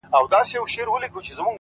• د دوى دا هيله ده؛